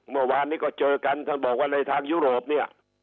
เมื่อวานนี้ก็เจอกันท่านบอกว่าในทางยุโรปเนี่ย